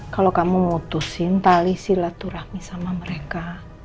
kalau kamu mengutusin tali silaturahmi sama mereka